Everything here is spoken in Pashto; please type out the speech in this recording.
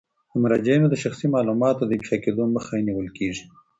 د مراجعینو د شخصي معلوماتو د افشا کیدو مخه نیول کیږي.